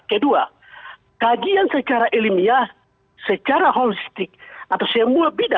kedua kajian secara ilmiah secara holistik atau semua bidang ini juga belum ada